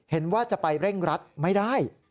เห็นว่าจะไปเร่งรัดไม่ได้